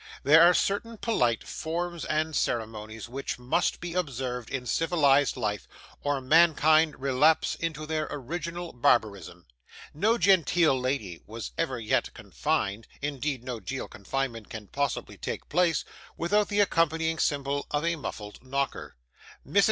There are certain polite forms and ceremonies which must be observed in civilised life, or mankind relapse into their original barbarism. No genteel lady was ever yet confined indeed, no genteel confinement can possibly take place without the accompanying symbol of a muffled knocker. Mrs.